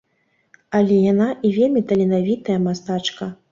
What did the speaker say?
Але яна і вельмі таленавітая мастачка.